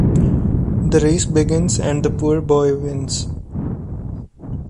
The race begins and the poor boy wins.